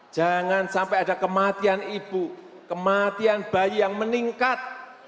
jangan sampai ada kematian ibu kematian bayi yang meningkat